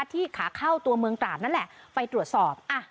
ที่ขาเข้าตัวเมืองตราดนั่นแหละไปตรวจสอบ